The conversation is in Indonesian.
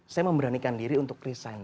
saya memberanikan diri untuk resign